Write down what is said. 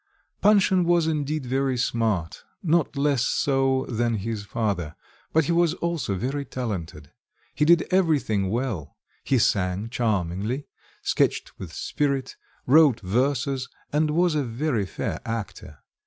Panshin was indeed very smart, not less so than his father; but he was also very talented. He did everything well; he sang charmingly, sketched with spirit, wrote verses, and was a very fair actor.